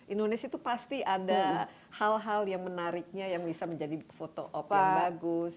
indonesia itu pasti ada hal hal yang menariknya yang bisa menjadi foto op yang bagus